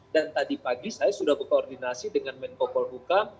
dan tadi pagi saya sudah berkoordinasi dengan menko polbuka